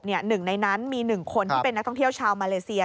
หนึ่งในนั้นมี๑คนที่เป็นนักท่องเที่ยวชาวมาเลเซีย